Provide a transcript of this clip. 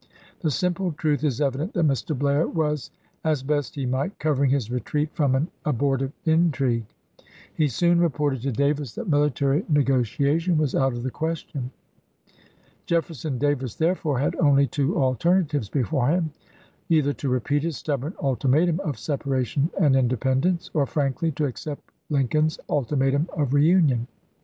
The simple truth is evident that Mr. Blair was, as best he might, covering his retreat from an abortive intrigue. He soon reported to Davis that military negotiation was out of the question. Jefferson Davis therefore had only two alterna tives before him — either to repeat his stubborn ultimatum of separation and independence, or frankly to accept Lincoln's ultimatum of reunion.